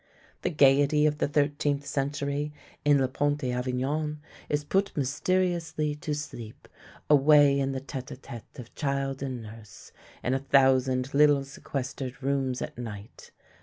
The gaiety of the thirteenth century, in Le Pont a' Avignon, is put mysteriously to sleep, away in the tete a tete of child and nurse, in a thousand little sequestered rooms at night.